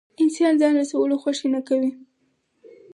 انسان زيان رسولو خوښي نه کوي.